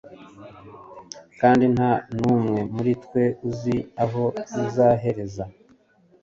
kandi nta n’umwe muri twe uzi aho bizahereza